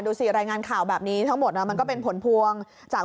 รายงานข่าวแบบนี้ทั้งหมดมันก็เป็นผลพวงจาก